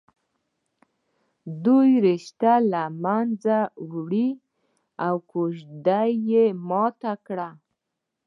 دوی رشته له منځه ويوړه او کوژده یې ماته کړه